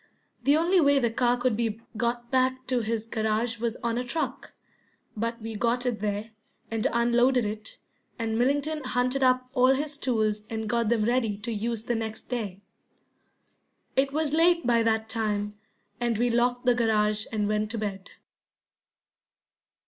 The only way the car could be got back to his garage was on a truck, but we got it there, and unloaded it, and Millington hunted up all his tools and got them ready to use the next day. It was late by that time, and we locked the garage and went to bed.